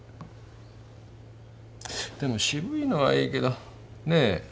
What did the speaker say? でも渋いのはいいけどねえ